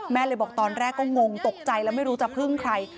แม่เลยบอกตอนแรกก็งงตกใจแล้วไม่รู้จะพึ่งใคร